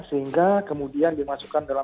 sehingga kemudian dimasukkan dalam